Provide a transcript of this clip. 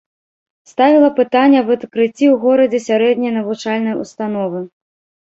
Ставіла пытанне аб адкрыцці ў горадзе сярэдняй навучальнай установы.